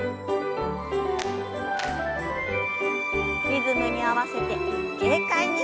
リズムに合わせて軽快に。